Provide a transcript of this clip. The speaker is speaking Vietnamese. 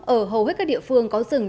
ở hầu hết các địa phương có rừng